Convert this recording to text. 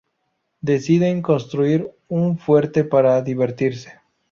Deciden construir un fuerte para divertirse.